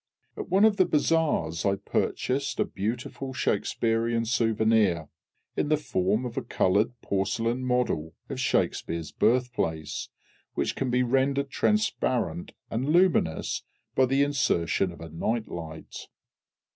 At one of the bazaars I purchased a beautiful Shakspearian souvenir, in the form of a coloured porcelain model of SHAKSPEARE'S birthplace, which can be rendered transparent and luminous by the insertion of a night light.